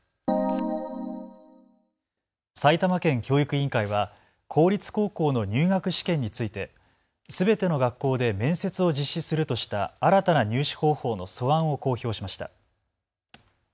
埼玉県教育委員会は公立高校の入学試験についてすべての学校で面接を実施するとした新たな入試方法の素案を公表しました。